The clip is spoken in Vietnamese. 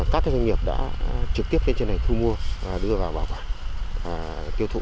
các doanh nghiệp đã trực tiếp lên trên này thu mua và đưa vào bảo quản tiêu thụ